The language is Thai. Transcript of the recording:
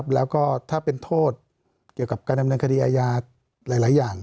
แล้วก็ถ้าเป็นโทษเกี่ยวกับการดำเนินคดีอาญาหลายอย่าง